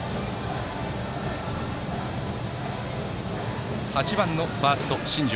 打席は８番のファースト新城